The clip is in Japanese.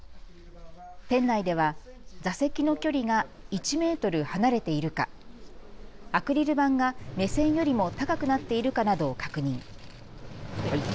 店内では座席の距離が１メートル離れているか、アクリル板が目線よりも高くなっているかなどを確認。